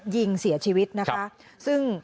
ยิงเสียชีวิตนะคะซึ่ง